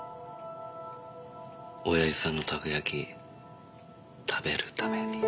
親父さんのたこ焼き食べるためにでしょ？